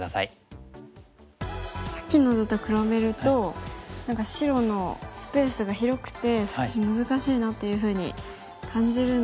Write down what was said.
さっきの図と比べると何か白のスペースが広くて少し難しいなっていうふうに感じるんですが。